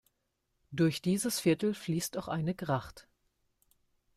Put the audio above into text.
Durch dieses Viertel fließt auch eine Gracht.